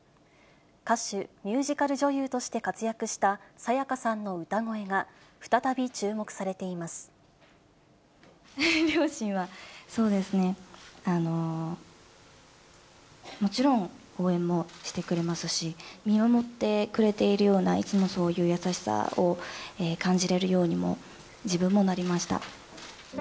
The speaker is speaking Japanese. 歌手、ミュージカル女優として活躍した沙也加さんの歌声が、再び注目さ両親は、そうですね、もちろん応援もしてくれますし、見守ってくれているような、いつもそういう優しさを感じられるようにも、自分もなりました。